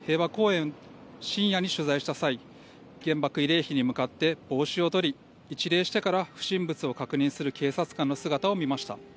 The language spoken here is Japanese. ２４時間、警備態勢が敷かれる平和公園を深夜に取材した際、原爆慰霊碑に向かって帽子をとり、一礼してから不審物を確認する警察官の姿を見ました。